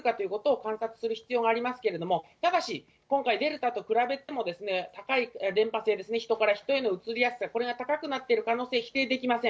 ですから、実際に直接に比較してみて、どのぐらい広がってくるかということを観察する必要がありますけれども、ただし、今回、デルタと比べても高い伝ぱ性ですね、人から人への移りやすさ、これが高くなっている可能性、否定できません。